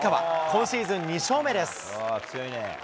今シーズン２勝目です。